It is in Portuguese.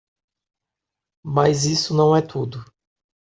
Mas isso não é tudo.